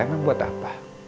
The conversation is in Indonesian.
emang buat apa